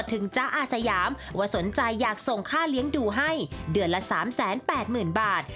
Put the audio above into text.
จ๊ะอาสยามว่าสนใจอยากส่งค่าเลี้ยงดูให้เดือนละ๓๘๐๐๐บาท